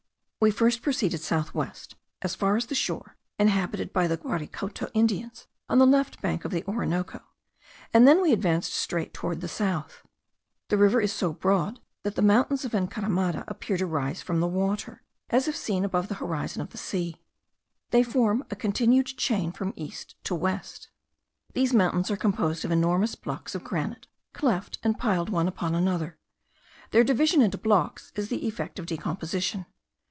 We first proceeded south west, as far as the shore inhabited by the Guaricoto Indians on the left bank of the Orinoco, and then we advanced straight toward the south. The river is so broad that the mountains of Encaramada appear to rise from the water, as if seen above the horizon of the sea. They form a continued chain from east to west. These mountains are composed of enormous blocks of granite, cleft and piled one upon another. Their division into blocks is the effect of decomposition.